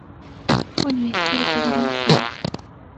وَنُيَسِّرُكَ لِلْيُسْرَىٰ